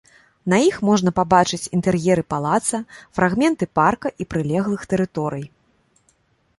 На іх можна пабачыць інтэр'еры палаца, фрагменты парка і прылеглых тэрыторый.